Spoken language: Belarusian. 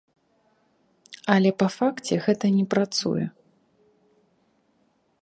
Але па факце гэта не працуе.